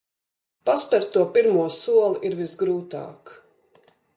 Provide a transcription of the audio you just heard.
Paspert to pirmo soli ir visgrūtāk.